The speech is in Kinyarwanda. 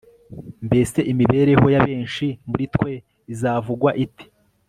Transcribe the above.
mbese imibereho ya benshi muri twe izavugwa ite